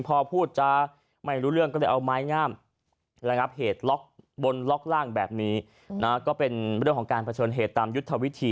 แต่ต้องบอกคุณอาจารย์พรคุณผู้ชมแบบนี้